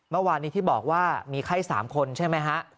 เมื่อวานนี้ที่บอกว่ามีไข้๓คนใช่ไหมฮะ